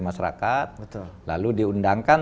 masyarakat lalu diundangkan